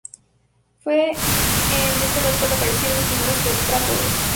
Fue en esta edad cuando aparecieron los primeros tetrápodos.